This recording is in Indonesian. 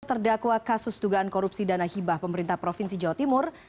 terdakwa kasus dugaan korupsi dana hibah pemerintah provinsi jawa timur